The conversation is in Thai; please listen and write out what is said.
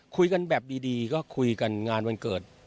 คุยกันแบบดีก็คุยกันงานวันเกิด